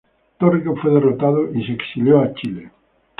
Torrico fue derrotado y se exilió a Chile.